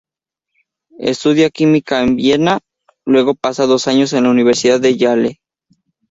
Estudia química en Viena, luego pasa dos años en la Universidad de Yale.